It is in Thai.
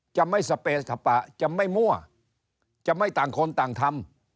จะไม่สเปสปะจะไม่มั่วจะไม่ต่างคนต่างทำ